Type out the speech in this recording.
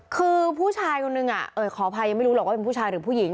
คือผู้ชายคนนึงขออภัยยังไม่รู้หรอกว่าเป็นผู้ชายหรือผู้หญิง